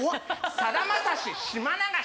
さだまさし